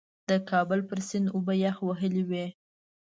د کابل پر سیند اوبه یخ وهلې وې.